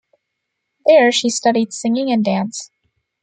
There she studied singing and dance.